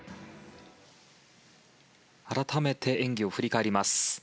改めて演技を振り返ります。